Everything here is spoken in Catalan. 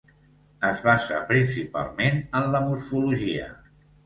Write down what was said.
Es basa principalment en la morfologia.